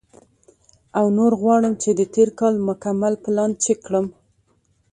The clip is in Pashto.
او نور غواړم چې د تېر کال مکمل پلان چیک کړم،